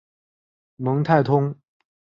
蒙泰通。